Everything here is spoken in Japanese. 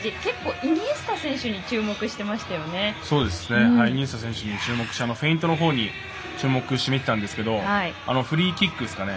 イニエスタ選手に注目してフェイントのほうに注目して見てたんですけどフリーキックですかね。